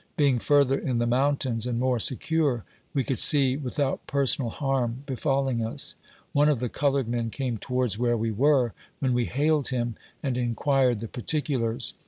Being further in the mountains, and more secure, we could see without personal harm befalling us. One of the colored men came towards where we were, when we hailed him, and inquired the particulars.